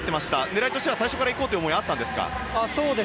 狙いとしては最初から行こうという思いがあったんですか？